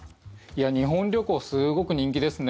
日本旅行すごく人気ですね。